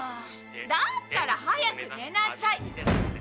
だったら早く寝なさい！